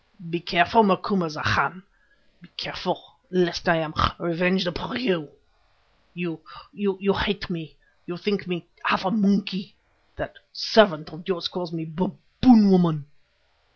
Be careful, Macumazahn, be careful, lest I am revenged upon you. You, you hate me; you think me half a monkey; that servant of yours calls me Baboon woman.